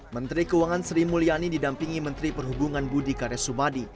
menteri keuangan sri mulyani didampingi menteri perhubungan budi karesubadi